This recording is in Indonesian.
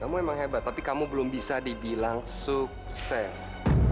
kamu emang hebat tapi kamu belum bisa dibilang sukses